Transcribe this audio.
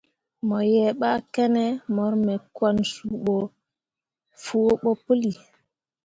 Mo yea ɓa kene mor me kwan suu ɓo fuo ɓo pəlli.